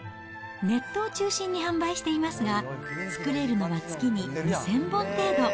ネットを中心に販売していますが、造れるのは月に２０００本程度。